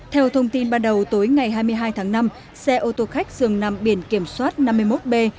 theo thông tin bắt đầu tối ngày hai mươi hai tháng năm xe ô tô khách dường nằm biển kiểm soát năm mươi một b một mươi hai nghìn ba trăm năm mươi sáu